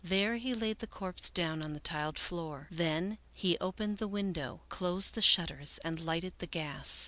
There he laid the corpse down on the tiled floor. Then he opened the window, closed the shut ters, and lighted the gas.